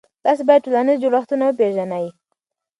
تاسې باید ټولنیز جوړښتونه وپېژنئ.